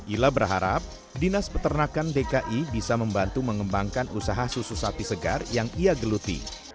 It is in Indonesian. ila berharap dinas peternakan dki bisa membantu mengembangkan usaha susu sapi segar yang ia geluti